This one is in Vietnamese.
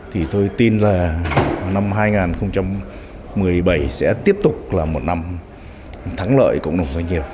thì tôi tin là năm hai nghìn một mươi bảy sẽ tiếp tục là một năm thắng lợi cộng đồng doanh nghiệp